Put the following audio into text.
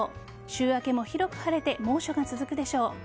週明けも広く晴れて猛暑が続くでしょう。